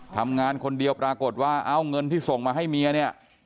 ทำงานคนเดียวปรากฏว่าเอาเงินที่ส่งมาให้เมียเนี่ย